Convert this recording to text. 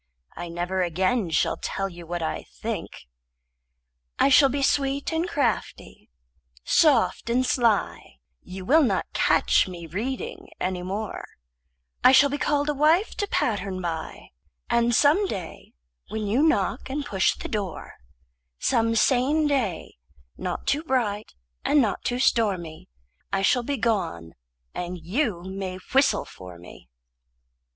I never again shall tell you what I think. I shall be sweet and crafty, soft and sly; You will not catch me reading any more; I shall be called a wife to pattern by; And some day when you knock and push the door, Some sane day, not too bright and not too stormy, I shall be gone, and you may whistle for me.